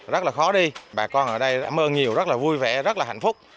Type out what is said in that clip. rất là khó đi bà con ở đây đã mơ nhiều rất là vui vẻ rất là hạnh phúc